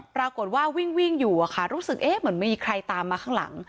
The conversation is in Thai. ปรากฏว่าวิ่งอยู่อะค่ะรู้สึกเหมือนมีใครตามมาข้างหลัง